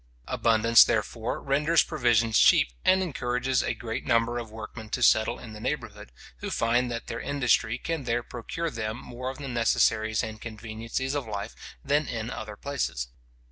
Abundance, therefore, renders provisions cheap, and encourages a great number of workmen to settle in the neighbourhood, who find that their industry can there procure them more of the necessaries and conveniencies of life than in other places.